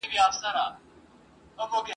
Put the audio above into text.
توري سرې وي د ورور ویني ترې څڅیږي !.